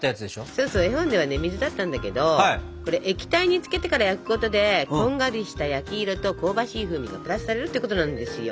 そうそう絵本では水だったんだけど液体につけてから焼くことでこんがりした焼き色と香ばしい風味がプラスされるってことなんですよ。